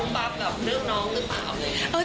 คุณคุณถามที่หนึ่ง